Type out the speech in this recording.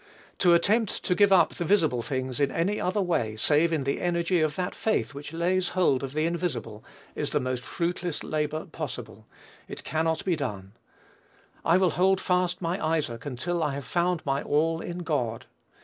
To attempt to give up the visible things in any other way, save in the energy of that faith which lays hold of the invisible, is the most fruitless labor possible. It cannot be done. I will hold fast my Isaac until I have found my all in God.